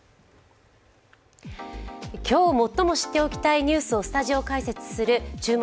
今日、最も知っておきたいニュースをスタジオ解説する「注目！